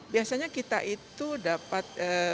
biasanya kita itu dapat